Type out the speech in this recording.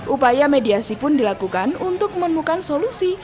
upaya mediasi pun dilakukan untuk menemukan solusi